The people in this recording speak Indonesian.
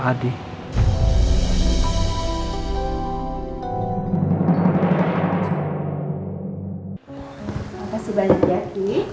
apa sih balik yaki